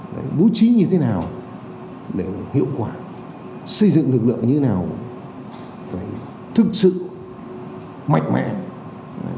vũ trí như thế nào để hiệu quả xây dựng lực lượng như thế nào phải thực sự mạnh mẽ